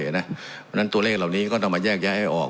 เพราะฉะนั้นตัวเลขเหล่านี้ก็ต้องมาแยกแยะให้ออก